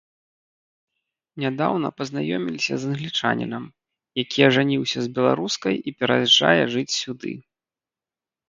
Нядаўна пазнаёмілася з англічанінам, які ажаніўся з беларускай і пераязджае жыць сюды.